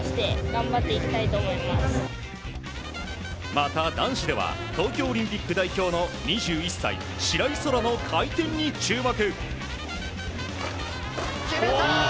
また、男子では東京オリンピック代表の２１歳、白井空良の回転に注目。